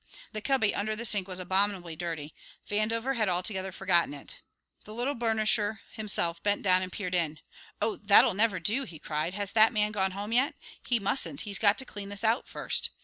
The cubby under the sink was abominably dirty. Vandover had altogether forgotten it. The little burnisher himself bent down and peered in. "Oh, that'll never do!" he cried. "Has that man gone home yet? He mustn't; he's got to clean this out first!"